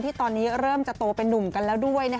ที่ตอนนี้เริ่มจะโตเป็นนุ่มกันแล้วด้วย